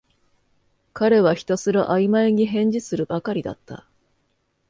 彼はひたすらあいまいに返事するばかりだった